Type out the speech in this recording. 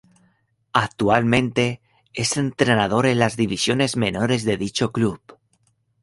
Actualmente es entrenador en las divisiones menores de dicho club.